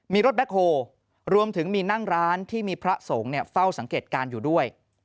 มีรถแบ็คโฮรวมถึงมีนั่งร้านที่มีพระสงฆ์เฝ้าสังเกตการณ์อยู่ด้วย